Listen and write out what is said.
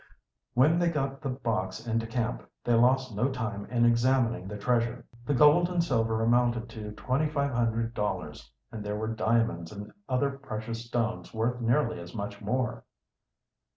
When they got the box into camp they lost no time in examining the treasure. The gold and silver amounted to twenty five hundred dollars, and there were diamonds and other precious stones worth nearly as much more.